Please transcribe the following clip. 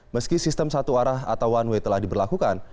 meski sistem satu arah atau one way telah diberlakukan